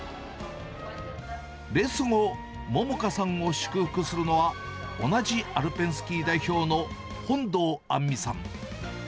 レース後、桃佳さんを祝福するのは、同じアルペンスキー代表の本堂杏実さん。